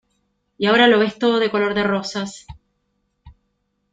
y ahora lo ves todo de color de rosas.